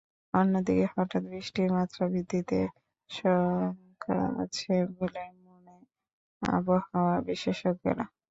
অন্যদিকে হঠাৎ বৃষ্টির মাত্রা বৃদ্ধিতে শঙ্কা আছে বলে মনে আবহাওয়া বিশেষজ্ঞরা।